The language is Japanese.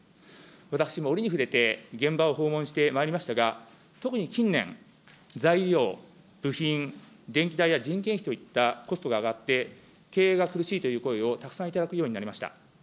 私も折に触れて、現場を訪問してまいりましたが、特に近年、材料、部品、電気代や人件費といったコストが上がって、経営が苦しいという声をたくさん頂くようになりました。